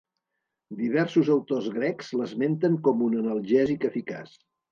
Diversos autors grecs l'esmenten com un analgèsic eficaç.